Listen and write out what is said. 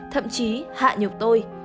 thậm chí hạ nhục tôi